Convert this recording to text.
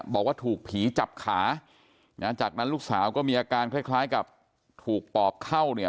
บอกว่าถูกผีจับขานะจากนั้นลูกสาวก็มีอาการคล้ายกับถูกปอบเข้าเนี่ย